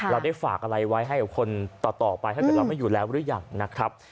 เราได้ฝากอะไรไว้ให้กับคนต่อไปถ้าเกิดเราไม่อยู่แล้วหรือยังนะครับ